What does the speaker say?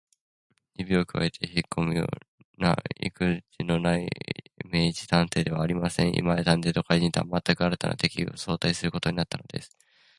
指をくわえてひっこむようないくじのない明智探偵ではありません。今や探偵と怪人とは、まったく新たな敵意をもって相対することになったのです。